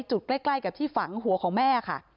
ใกล้กับที่ฝังหัวของแม่ค่ะ